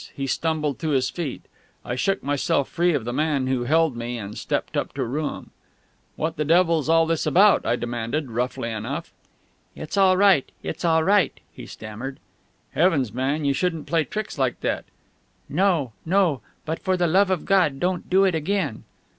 He stumbled to his feet. I shook myself free of the man who held me and stepped up to Rooum. "What the devil's all this about?" I demanded, roughly enough. "It's all right ... it's all right,..." he stammered. "Heavens, man, you shouldn't play tricks like that!" "No ... no ... but for the love of God don't do it again!..."